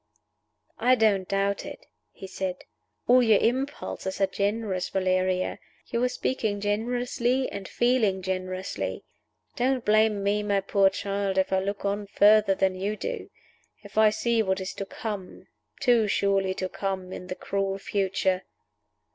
"I don't doubt it," he said. "All your impulses are generous, Valeria. You are speaking generously and feeling generously. Don't blame me, my poor child, if I look on further than you do: if I see what is to come too surely to come in the cruel future."